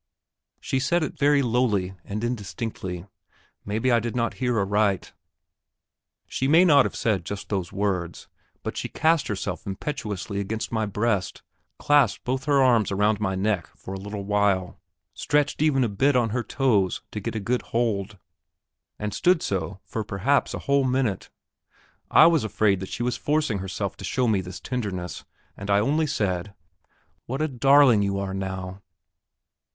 She said it very lowly and indistinctly; maybe I did not hear aright. She may not have said just those words; but she cast herself impetuously against my breast, clasped both her arms about my neck for a little while, stretched even up a bit on her toes to get a good hold, and stood so for perhaps a whole minute. I was afraid that she was forcing herself to show me this tenderness, and I only said: "What a darling you are now!"